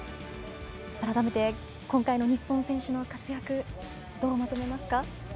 改めて今回の日本選手の活躍どうまとめますか？